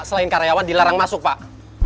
selain karyawan dilarang masuk pak